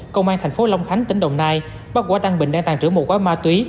công an thành phố long khánh tỉnh đồng nai bắt quả tăng bình đang tàn trữ một gói ma túy